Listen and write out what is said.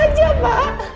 ampuni dia pak